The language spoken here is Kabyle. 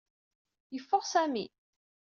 Yeffeɣ Sami.